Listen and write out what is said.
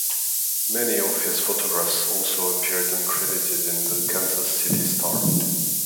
Many of his photographs also appeared uncredited in "The Kansas City Star".